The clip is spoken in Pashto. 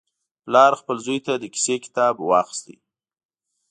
پلار خپل زوی ته د کیسې کتاب واخیست.